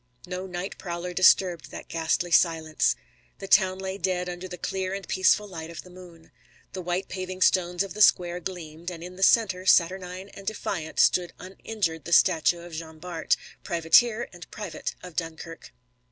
No night prowler disturbed that ghastly silence. The town lay dead under the clear and peaceful light of the moon. The white paving stones of the square gleamed, and in the centre, saturnine and defiant, stood uninjured the statue of Jean Bart, privateer and private of Dunkirk.